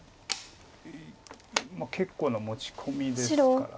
結構な持ち込みですから。